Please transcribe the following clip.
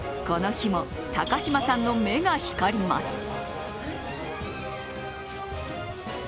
この日も高嶋さんの目が光ります。